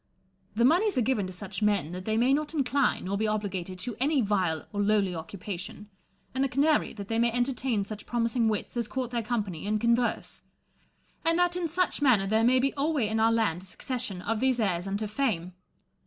The moneys are given to such men, that they may not incline nor be obligated to any vile or lowly occupation ; and the canary, that they may entertain such promising wits as court their company and converse ; and that in such manner there may be alway in our land a succession of these heirs unto fame.